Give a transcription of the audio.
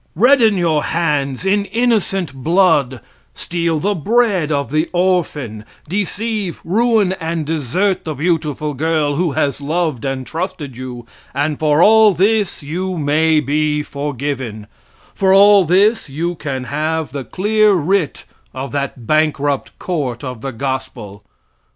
Redden your hands in innocent blood; steal the bread of the orphan, deceive, ruin and desert the beautiful girl who has loved and trusted you, and for all this you may be forgiven; for all this you can have the clear writ of that bankrupt court of the gospel.